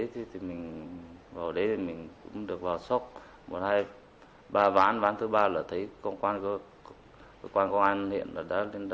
trong đó đã khó khăn